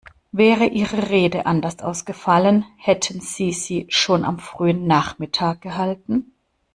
Wäre Ihre Rede anders ausgefallen, hätten Sie sie schon am frühen Nachmittag gehalten?